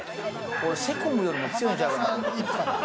セコムよりも強いんちゃうかなって。